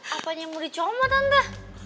apa yang mau dicomot tante